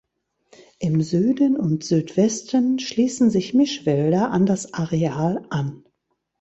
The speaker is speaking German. Im Süden und Südwesten schließen sich Mischwälder an das Areal an.